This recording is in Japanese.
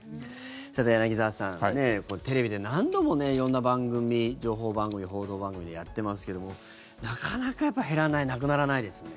さて、柳澤さんテレビで何度も色んな番組情報番組、報道番組でやってますけどもなかなか、やっぱり減らない、なくならないですね。